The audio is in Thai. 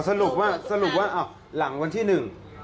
สรุปว่าสรุปว่าอ้าวหลังวันที่หนึ่ง